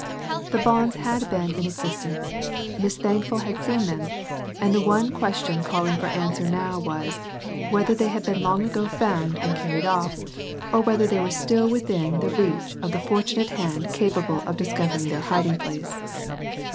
The bonds had been in existence; Miss Thankful had seen them; and the one question calling for answer now was, whether they had been long ago found and carried off, or whether they were still within the reach of the fortunate hand capable of discovering their hiding place.